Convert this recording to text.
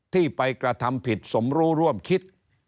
ที่ไปกระทำผิดสมรู้ร่วมคิด